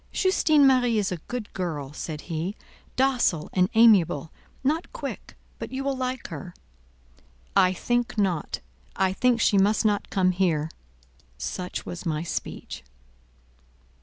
"Justine Marie is a good girl," said he, "docile and amiable; not quick—but you will like her." "I think not. I think she must not come here." Such was my speech.